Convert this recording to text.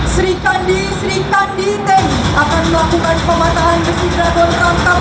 sri kandi sri kandi tank akan melakukan pematahan besi dragon tangkap